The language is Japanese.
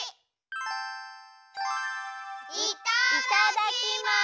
いただきます！